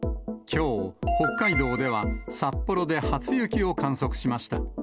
きょう、北海道では札幌で初雪を観測しました。